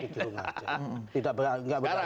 tidak berdasar itu